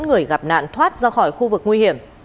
bốn người gặp nạn thoát ra khỏi khu vực nguy hiểm